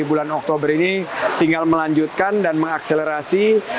jadi bulan oktober ini tinggal melanjutkan dan mengakselerasi